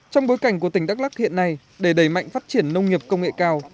trong bối cảnh của tỉnh đắk lắc hiện nay để đẩy mạnh phát triển nông nghiệp công nghệ cao